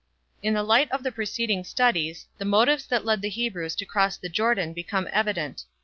In the light of the preceding studies, the motives that led the Hebrews to cross the Jordan become evident.